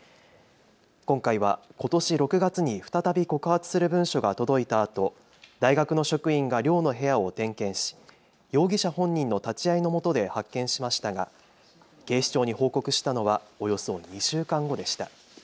今回はことし６月に再び告発する文書が届いたあと、大学の職員が寮の部屋を点検し容疑者本人の立ち会いのもとで発見しましたが警視庁に報告したのはおよそ２週間後でした。